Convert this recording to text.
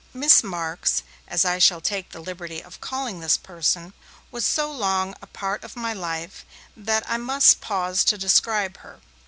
Miss Marks, as I shall take the liberty of calling this person, was so long a part of my life that I must pause to describe her.